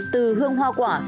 từ hương hoa quả